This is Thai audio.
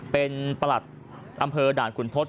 ประหลาดอำเภอด่านคุณทศ